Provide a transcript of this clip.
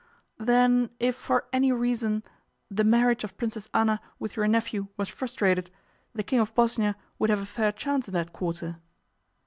'Then, if for any reason the marriage of Princess Anna with your nephew was frustrated, the King of Bosnia would have a fair chance in that quarter?